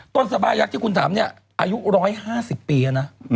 ต้นซาบ้ายักษ์ที่คุณถามเนี่ยอายุ๑๕๐ปีอะนะ